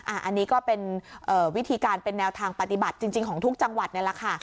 อันนี้ก็เป็นวิธีการเป็นแนวทางปฏิบัติจริงของทุกจังหวัดนี่แหละค่ะ